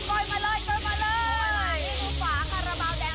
สำอาชีพอะไร